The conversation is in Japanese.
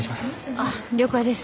あ了解です。